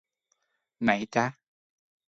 ไหนจ้ะ